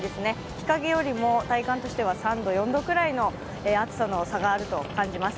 日陰よりも体感としては３度、４度ぐらいの暑さの差があると感じます。